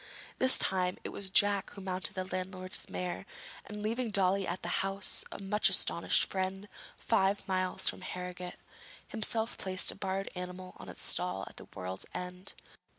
This time it was Jack who mounted the landlord's mare, and leaving Dolly at the house of a much astonished friend five miles from Harrogate, himself placed the borrowed animal in its stall at the World's End.